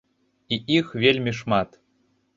І іх вельмі шмат.